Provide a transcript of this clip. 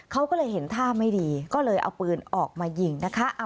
เขาก็เลยเห็นท่าไม่ดีก็เลยเอาปืนออกมายิงนะคะ